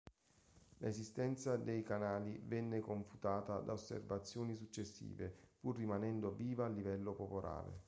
L'esistenza dei canali venne confutata da osservazioni successive, pur rimanendo viva a livello popolare.